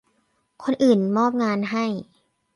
คนอื่นมอบงานให้